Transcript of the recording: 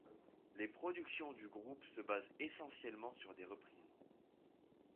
Les productions du groupe se basent essentiellement sur des reprises.